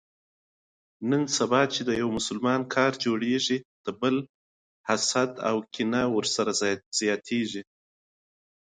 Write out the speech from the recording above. نن سبا چې د یو مسلمان کار جوړېږي، د بل حسدي کېږي.